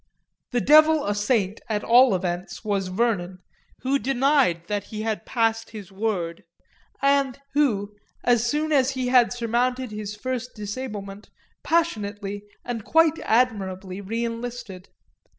The devil a saint, at all events, was Vernon, who denied that he had passed his word, and who, as soon as he had surmounted his first disablement, passionately and quite admirably re enlisted.